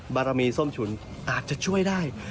บารมีส้มฉุนอาจจะช่วยได้